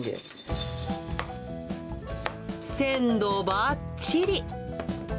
鮮度ばっちり。